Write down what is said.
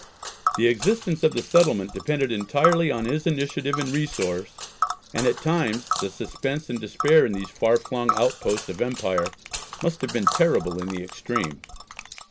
The existence of the settlement depended entirely on his initiative and resource, and at times the suspense and despair in these far flung outposts of empire must have been terrible in the extreme.